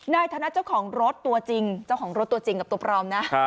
ธนัดเจ้าของรถตัวจริงเจ้าของรถตัวจริงกับตัวปลอมนะ